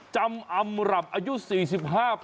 จำอำรับอายุ๔๕ปี